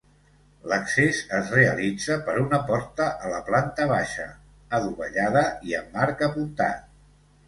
L'accés es realitza per una porta a la planta baixa, adovellada i amb arc apuntat.